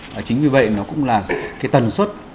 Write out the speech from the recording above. và chính vì vậy nó cũng là cái tần suất